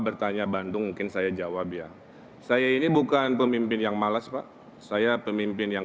bertanya bandung mungkin saya jawab ya saya ini bukan pemimpin yang malas pak saya pemimpin yang